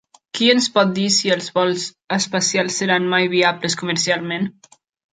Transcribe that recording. Qui ens pot dir si els vols espacials seran mai viables comercialment?